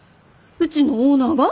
うちのオーナーが？